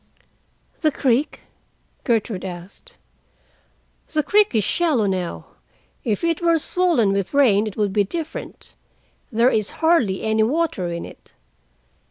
"The creek?" Gertrude asked. "The creek is shallow now. If it were swollen with rain, it would be different. There is hardly any water in it.